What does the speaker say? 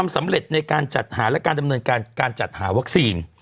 สำเร็จในการจัดหาและการดำเนินการการจัดหาวัคซีน